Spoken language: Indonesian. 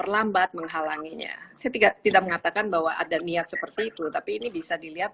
lambat menghalanginya saya tidak mengatakan bahwa ada niat seperti itu tapi ini bisa dilihat